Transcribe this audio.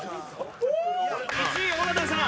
１位尾形さん。